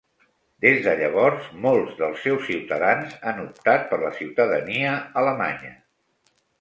Des de llavors, molts dels seus ciutadans han optat per la ciutadania alemanya.